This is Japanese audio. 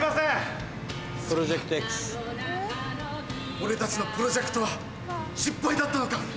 俺たちのプロジェクトは失敗だったのか。